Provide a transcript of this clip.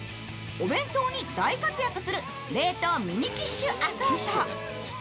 お弁当に大活躍する冷凍ミニキッシュアソート。